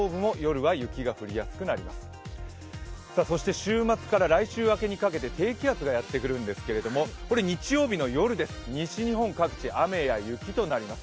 週末から来週明けにかけて低気圧がやってくるんですが日曜日の夜です、西日本各地、雨や雪となります。